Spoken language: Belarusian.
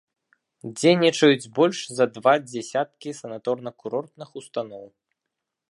Дзейнічаюць больш за два дзесяткі санаторна-курортных устаноў.